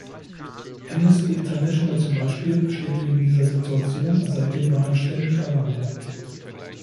Amnesty International zum Beispiel schlägt wegen dieser Situation seit den Wahlen ständig Alarm.